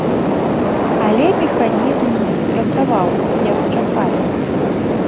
Але механізм не спрацаваў, як чакалі.